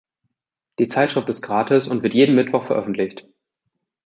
Die Zeitschrift ist gratis und wird jeden Mittwoch veröffentlicht.